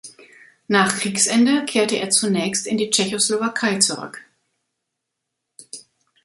Nach Kriegsende kehrte er zunächst in die Tschechoslowakei zurück.